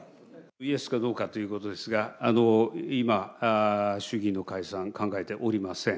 イエスかどうかということですが、今、衆議院の解散考えておりません。